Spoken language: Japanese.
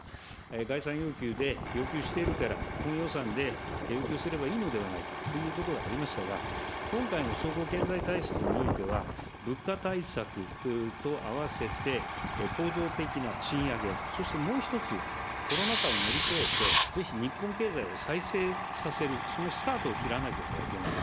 概算要求で要求しているから、本予算で要求すればいいのではないかということがございましたが、今回の総合経済対策においては、物価対策とあわせて構造的な賃上げ、そしてもう一つ、コロナ禍を乗り越えてぜひ日本経済を再生させる、そのスタートを切らなければいけない。